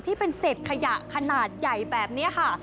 ที่เป็นเศษขยะขนาดใหญ่แบบนี้ค่ะ